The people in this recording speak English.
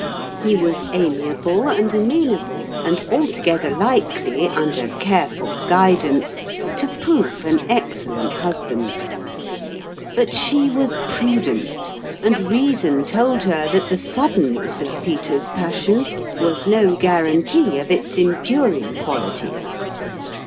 lie was amiable and amenable, and altogether likely, under care ful guidance, to prove an excellent husband. But she was prudent, and reason told her that the suddenness of Peter's passion was no guarantee of its enduring qualities.